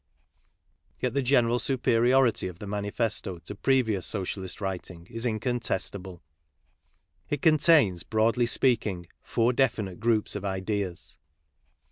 ' Yet the general superiority of the Manifesto to previous Socialist writing is incontestable. It contains, broadly speaking, four definite groups of ideas.